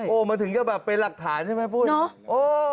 โอ้มรถถึงกับแบบเป็นหลักฐานใช่ไหมพุทโถ